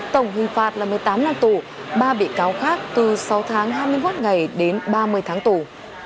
tổng hình phạt là một mươi tám năm tù ba bị cáo khác từ sáu tháng hai mươi một ngày đến ba mươi tháng tù